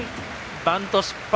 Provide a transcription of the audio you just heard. バント失敗。